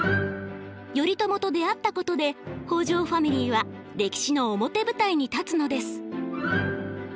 頼朝と出会ったことで北条ファミリーは歴史の表舞台に立つのです。